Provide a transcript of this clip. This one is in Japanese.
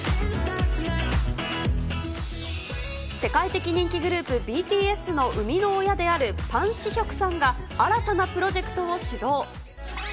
世界的人気グループ、ＢＴＳの生みの親であるパン・シヒョクさんが新たなプロジェクトを始動。